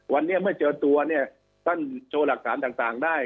วันนี้เมื่อเจอตัวเนี่ยท่านโชว์หลักฐานต่างได้